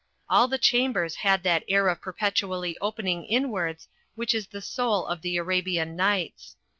All the chambers had that air of per petually opening inwards which is the soul of the Arabian Nights.